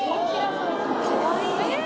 かわいい。